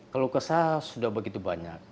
keluh kesah sudah begitu banyak